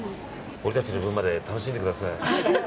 俺たちの分までの楽しんでください。